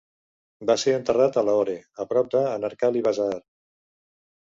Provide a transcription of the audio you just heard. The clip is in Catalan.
Va ser enterrat a Lahore, a prop d'Anarkali Bazaar.